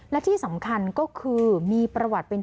และที่สำคัญก็คือมีประวัติเป็น